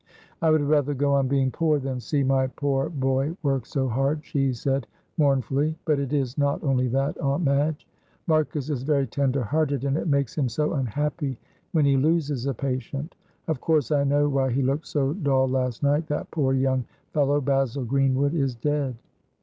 "I would rather go on being poor than see my poor boy work so hard," she said, mournfully. "But it is not only that, Aunt Madge. Marcus is very tender hearted, and it makes him so unhappy when he loses a patient. Of course I know why he looked so dull last night, that poor young fellow Basil Greenwood is dead."